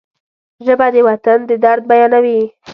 ژبه د وطن د درد بیانوي